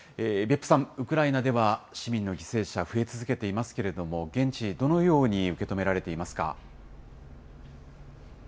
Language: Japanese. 別府さん、ウクライナでは、市民の犠牲者、増え続けていますけれども、現地、どのように受け止められていますか。